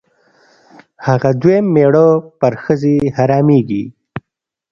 هغه دویم مېړه پر ښځې حرامېږي.